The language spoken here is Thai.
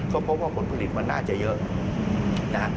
เขาพบว่าผลผลิตมันน่าจะเยอะ